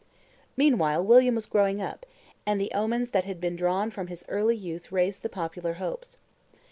Meanwhile William was growing up, and the omens that had been drawn from his early youth raised the popular hopes.